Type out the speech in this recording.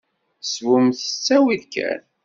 Swemt s ttawil kan!